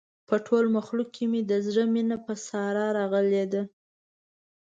په ټول مخلوق کې مې د زړه مینه په ساره راغلې ده.